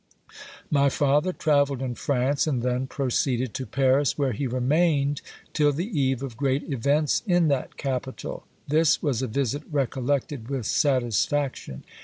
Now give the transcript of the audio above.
My father travelled in France, and then proceeded to Paris, where he remained till the eve of great events in that capital. This was a visit recollected with satisfaction.